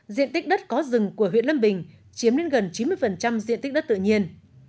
diện tích đất có rừng của huyện lâm bình chiếm đến gần chín mươi diện tích đất tự nhiên